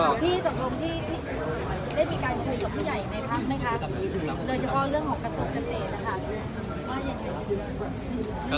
ว่ายังไงครับ